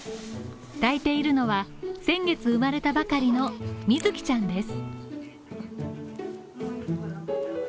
抱いているのは先月生まれたばかりの水希ちゃんです。